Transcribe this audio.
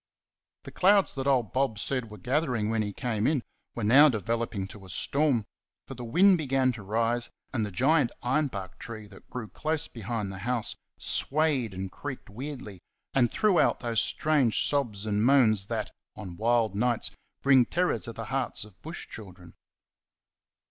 The clouds that old Bob said were gathering when he came in were now developing to a storm, for the wind began to rise, and the giant iron bark tree that grew close behind the house swayed and creaked weirdly, and threw out those strange sobs and moans that on wild nights bring terror to the hearts of bush children.